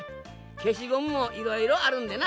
消しゴムもいろいろあるんでな。